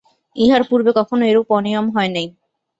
ইহার পূর্বে কখনো এরূপ অনিয়ম হয় নাই।